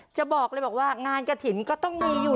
จะบอกเลยว่างานกฏินก็ต้องมีอยู่